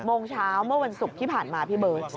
โมงเช้าเมื่อวันศุกร์ที่ผ่านมาพี่เบิร์ต